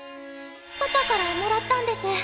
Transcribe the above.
パパからもらったんです。